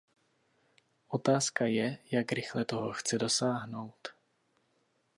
Otázka je, jak rychle toho chce dosáhnout?